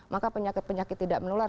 maka penyakit penyakit tidak menular